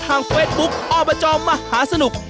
ทางเฟซบุ๊คอบจมหาสนุก